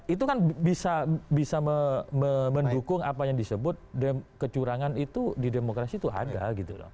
itu kan bisa mendukung apa yang disebut kecurangan itu di demokrasi itu ada gitu loh